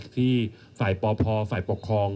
ที่ฝ่ายปพฝ่ายปกครอง